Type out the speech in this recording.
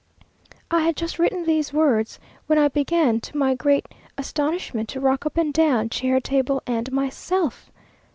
I had just written these words, when I began, to my great astonishment, to rock up and down, chair, table, and myself.